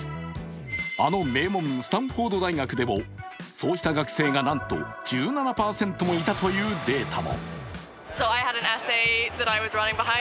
あの名門スタンフォード大学でもそうした学生がなんと１７％もいたというデータも。